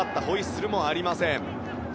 ホイッスルもありません。